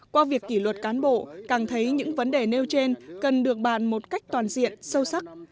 qua việc kỷ luật cán bộ càng thấy những vấn đề nêu trên cần được bàn một cách toàn diện sâu sắc